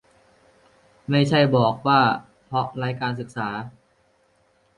ไม่ใช่บอกว่า เพราะไร้การศึกษา